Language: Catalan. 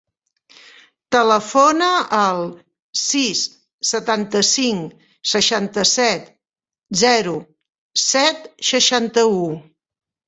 Telefona al sis, setanta-cinc, seixanta-set, zero, set, seixanta-u.